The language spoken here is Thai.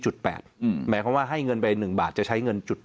หมายความว่าให้เงินไป๑บาทจะใช้เงินจุด